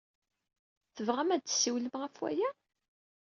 Tebɣam ad d-tessiwlem ɣef waya?